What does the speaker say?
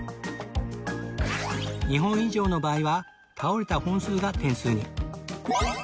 ２本以上の場合は倒れた本数が点数に